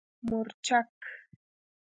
🌶 مورچک